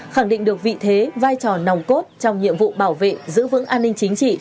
khẳng định được vị thế vai trò nòng cốt trong nhiệm vụ bảo vệ giữ vững an ninh chính trị